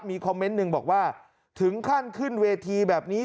มีคอมเมนต์หนึ่งบอกว่าถึงขั้นขึ้นเวทีแบบนี้